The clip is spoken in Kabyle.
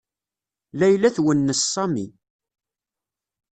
Layla twennes Sami.